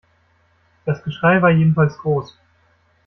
Das Geschrei war jedenfalls groß.